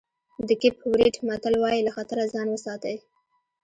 د کېپ ورېډ متل وایي له خطره ځان وساتئ.